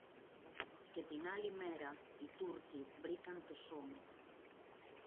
Και την άλλη μέρα, οι Τούρκοι βρήκαν το σώμα